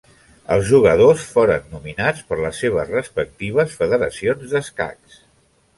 Els jugadors foren nominats per les seves respectives federacions d'escacs.